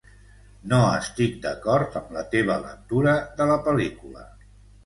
No estic d'acord amb la teva lectura de la pel·lícula.